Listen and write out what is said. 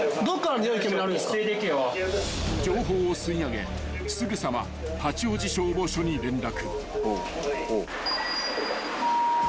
［情報を吸い上げすぐさま八王子消防署に連絡］